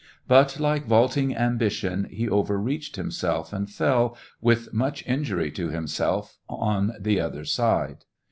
But, like " vaulting ambition," he overreached himself, and fell, with much injury to himself, on the other side.